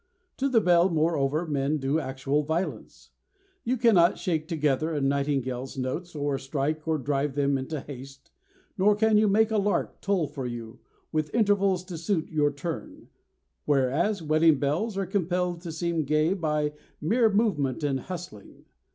To the bell, moreover, men do actual violence. You cannot shake together a nightingale's notes, or strike or drive them into haste, nor can you make a lark toll for you with intervals to suit your turn, whereas wedding bells are compelled to seem gay by mere movement and hustling.